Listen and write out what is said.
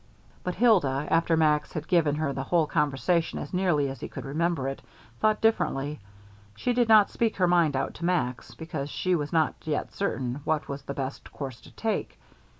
But Hilda, after Max had given her the whole conversation as nearly as he could remember it, thought differently. She did not speak her mind out to Max, because she was not yet certain what was the best course to take.